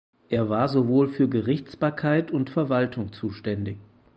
Es war sowohl für Gerichtsbarkeit und Verwaltung zuständig.